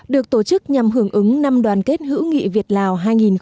được tổ chức nhằm hưởng ứng năm đoàn kết hữu nghị việt lào hai nghìn một mươi chín